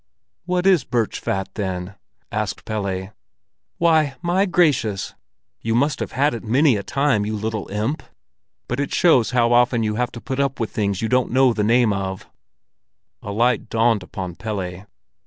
"What is birch fat, then?" asked Pelle. "Why, my gracious! You must have had it many a time, you little imp! But it shows how often you have to put up with things you don't know the name of." A light dawned upon Pelle.